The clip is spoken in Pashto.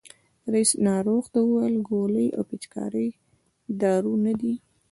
رئیس ناروغ ته وویل ګولۍ او پيچکاري دارو نه دي.